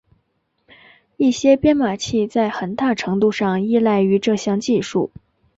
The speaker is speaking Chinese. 一些编码器在很大程度上依赖于这项技术。